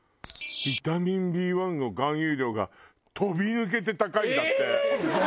ビタミンＢ１の含有量が飛び抜けて高いんだって。